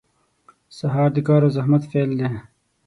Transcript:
• سهار د کار او زحمت پیل دی.